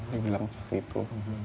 dia bilang seperti itu